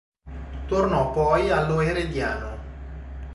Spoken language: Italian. Tornò poi allo Herediano.